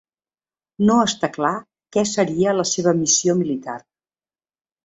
No està clar què seria la seva missió militar.